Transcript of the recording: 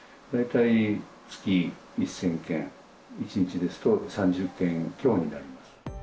大体月１０００件、１日ですと３０件強になります。